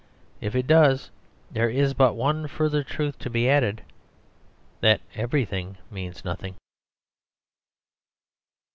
If it does, there is but one further truth to be added that everything means nothing.